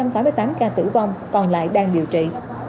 ba trăm tám mươi tám ca tử vong còn lại đang điều trị